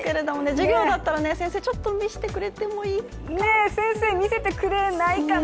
授業だったら、先生、ちょっと見せてくれてもいいかな先生、見せてくれないかな。